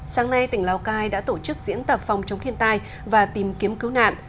sáng nay tỉnh lào cai đã tổ chức diễn tập phòng chống thiên tai và tìm kiếm cứu nạn